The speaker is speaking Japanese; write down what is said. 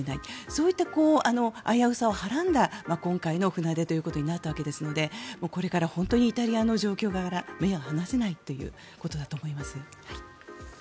そういった危うさをはらんだ今回の船出ということになったわけですのでこれから本当にイタリアの状況から目を離せないということだと思います。